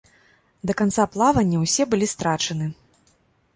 Да канца плавання ўсе былі страчаны.